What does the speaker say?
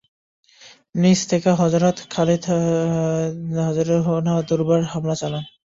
নিচ থেকেও হযরত খালিদ রাযিয়াল্লাহু আনহু দুর্বার হামলা চালান।